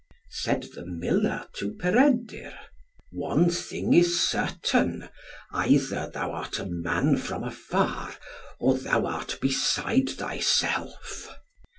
Said the miller to Peredur, "One thing is certain; either thou art a man from afar, or thou art beside thyself.